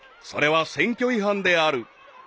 それは選挙違反である］